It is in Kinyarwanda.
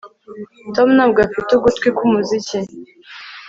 Tom ntabwo afite ugutwi kwumuziki